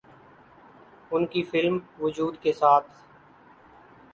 ان کی فلم ’وجود‘ کے ساتھ